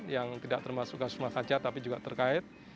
yang tidak termasuk gas rumah kaca tapi juga terkait